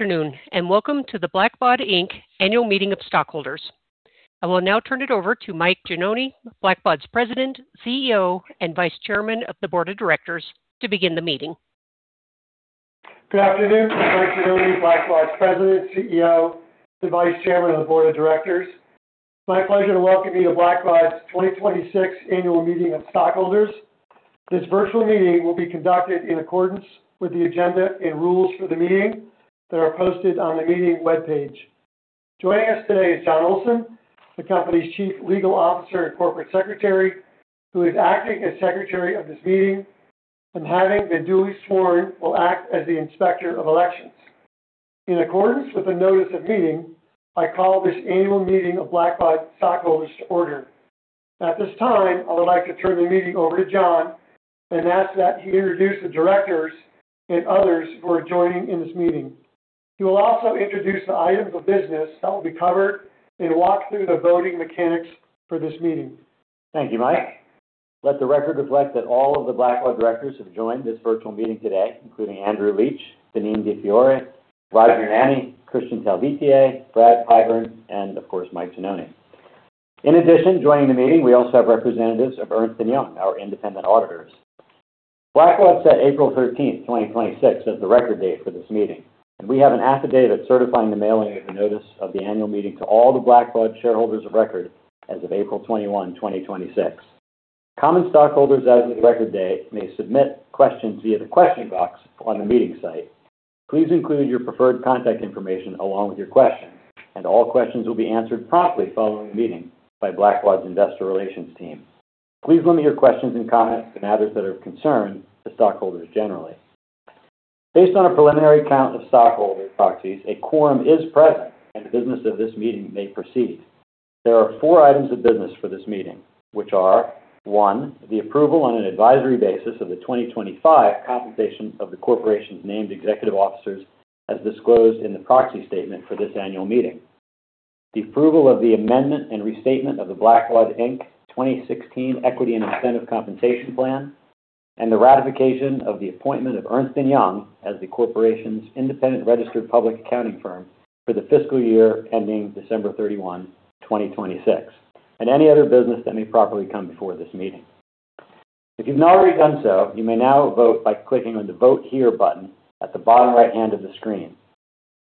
Afternoon. Welcome to the Blackbaud, Inc. Annual Meeting of Stockholders. I will now turn it over to Mike Gianoni, Blackbaud's President, CEO, and Vice Chairman of the Board of Directors, to begin the meeting. Good afternoon. I'm Mike Gianoni, Blackbaud's President, CEO, and Vice Chairman of the Board of Directors. It's my pleasure to welcome you to Blackbaud's 2026 Annual Meeting of Stockholders. This virtual meeting will be conducted in accordance with the agenda and rules for the meeting that are posted on the meeting webpage. Joining us today is Jon Olson, the company's Chief Legal Officer and Corporate Secretary, who is acting as Secretary of this meeting, and having been duly sworn, will act as the Inspector of Elections. In accordance with the notice of meeting, I call this annual meeting of Blackbaud stockholders to order. At this time, I would like to turn the meeting over to Jon and ask that he introduce the Directors and others who are joining in this meeting. He will also introduce the items of business that will be covered and walk through the voting mechanics for this meeting. Thank you, Mike. Let the record reflect that all of the Blackbaud Directors have joined this virtual meeting today, including Andrew Leitch, Deneen DeFiore, Roger Nanney, Kristian Talvitie, Brad Pyburn, and of course, Mike Gianoni. In addition, joining the meeting, we also have representatives of Ernst & Young, our independent auditors. Blackbaud set April 13th, 2026, as the record date for this meeting. We have an affidavit certifying the mailing of the notice of the annual meeting to all the Blackbaud shareholders of record as of April 21, 2026. Common stockholders as of the record date may submit questions via the question box on the meeting site. Please include your preferred contact information along with your question. All questions will be answered promptly following the meeting by Blackbaud's investor relations team. Please limit your questions and comments to matters that are of concern to stockholders generally. Based on a preliminary count of stockholder proxies, a quorum is present, the business of this meeting may proceed. There are four items of business for this meeting, which are, one, the approval on an advisory basis of the 2025 compensation of the corporation's named executive officers as disclosed in the proxy statement for this annual meeting; the approval of the amendment and restatement of the Blackbaud, Inc. 2016 Equity and Incentive Compensation Plan; the ratification of the appointment of Ernst & Young as the corporation's independent registered public accounting firm for the fiscal year ending December 31, 2026; any other business that may properly come before this meeting. If you've not already done so, you may now vote by clicking on the Vote Here button at the bottom right-hand of the screen.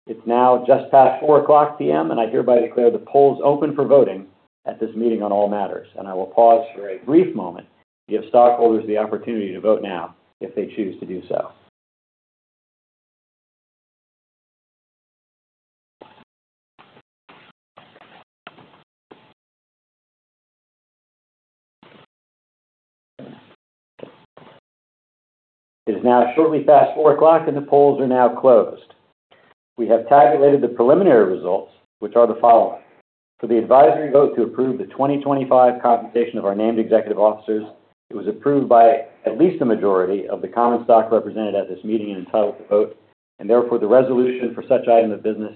It's now just past 4:00 P.M., I hereby declare the polls open for voting at this meeting on all matters. I will pause for a brief moment to give stockholders the opportunity to vote now if they choose to do so. It is now shortly past 4:00, the polls are now closed. We have tabulated the preliminary results, which are the following. For the advisory vote to approve the 2025 compensation of our named executive officers, it was approved by at least a majority of the common stock represented at this meeting and entitled to vote, therefore the resolution for such item of business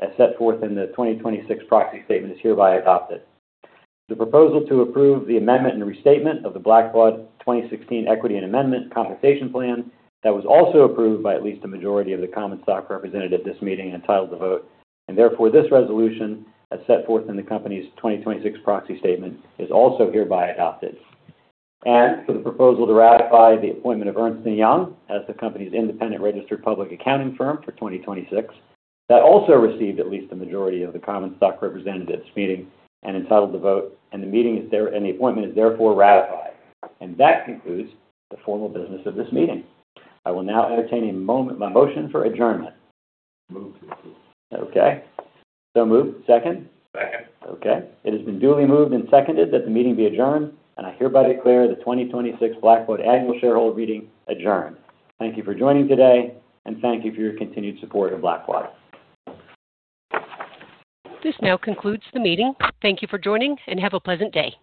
as set forth in the 2026 proxy statement is hereby adopted. The proposal to approve the amendment and restatement of the Blackbaud 2016 Equity and Incentive Compensation Plan, that was also approved by at least a majority of the common stock represented at this meeting entitled to vote, therefore this resolution, as set forth in the company's 2026 proxy statement, is also hereby adopted. For the proposal to ratify the appointment of Ernst & Young as the company's independent registered public accounting firm for 2026, that also received at least a majority of the common stock represented at this meeting and entitled to vote, the appointment is therefore ratified. That concludes the formal business of this meeting. I will now entertain a motion for adjournment. Moved. Okay. Moved. Second? Second. Okay. It has been duly moved and seconded that the meeting be adjourned, and I hereby declare the 2026 Blackbaud Annual Shareholder Meeting adjourned. Thank you for joining today, and thank you for your continued support of Blackbaud. This now concludes the meeting. Thank you for joining, and have a pleasant day.